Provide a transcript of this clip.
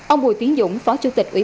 ông bùi tiến dũng phó chủ tịch ubnd